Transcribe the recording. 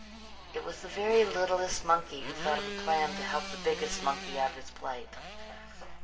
It was the very littlest monkey who thought of a plan to help the biggest monkey out of his plight.